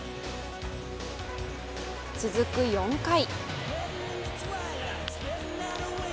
続く４回。